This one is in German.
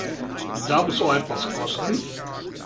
Darf es auch etwas kosten?